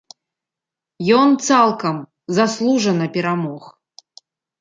Ён цалкам заслужана перамог.